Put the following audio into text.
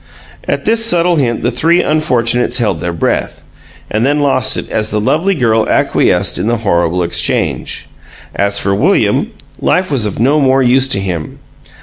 At this subtle hint the three unfortunates held their breath, and then lost it as the lovely girl acquiesced in the horrible exchange. As for William, life was of no more use to him.